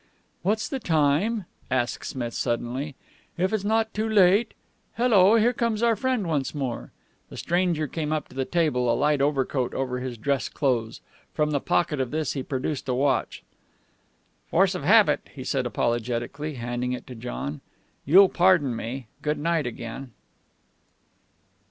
"What's the time?" asked Smith suddenly. "If it's not too late Hello, here comes our friend once more." The stranger came up to the table, a light overcoat over his dress clothes. From the pocket of this he produced a watch. "Force of habit," he said apologetically, handing it to John. "You'll pardon me. Good night again."